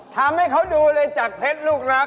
ทำให้เขาดูเลยจากเพชรลูกรัก